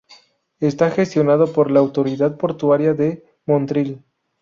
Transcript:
Está gestionado por la autoridad portuaria de Motril.